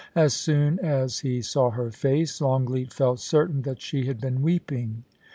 As soon as he saw her face, Longleat felt certain that she had been weeping.